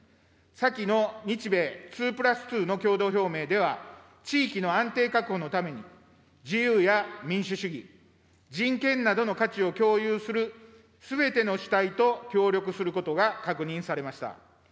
先の日米２＋２の共同表明では地域の安定確保のために、自由や民主主義、人権などの価値を共有するすべての主体と協力することが確認されました。